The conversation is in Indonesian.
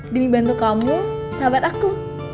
demi bantu kamu sahabat aku